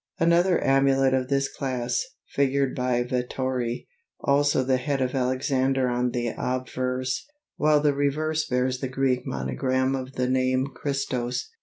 Another amulet of this class, figured by Vettori, also has the head of Alexander on the obverse, while the reverse bears the Greek monogram of the name Christos.